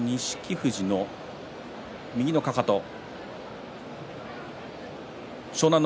富士の右のかかと湘南乃